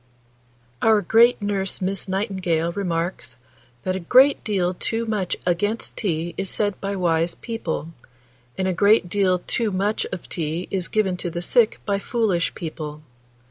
Our great nurse Miss Nightingale remarks, that "a great deal too much against tea is said by wise people, and a great deal too much of tea is given to the sick by foolish people.